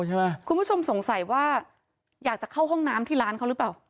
คุณผู้ชมสงสัยว่าอยากจะเข้าห้องน้ำที่ร้านเขาหรือเปล่า